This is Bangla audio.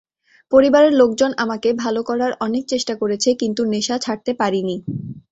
পরিবারের লোকজন আমাকে ভালো করার অনেক চেষ্টা করেছে, কিন্তু নেশা ছাড়তে পারিনি।